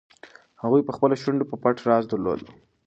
هغې په خپلو شونډو یو پټ راز درلود.